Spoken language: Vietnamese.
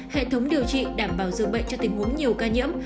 hệ thống điều trị đảm bảo dự bệnh cho tình huống nhiều ca nhiễm